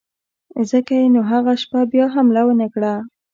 ځکه یې نو هغه شپه بیا حمله ونه کړه.